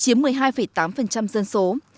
chiếm một mươi hai tám dân số